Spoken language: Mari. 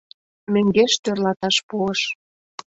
Мӧҥгеш тӧрлаташ пуыш.